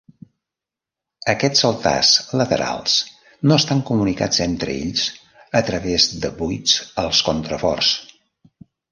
Aquests altars laterals no estan comunicats entre ells a través de buits als contraforts.